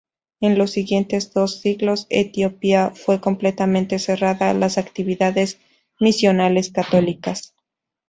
En los siguientes dos siglos Etiopía fue completamente cerrada a las actividades misionales católicas.